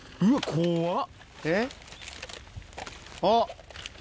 怖っ！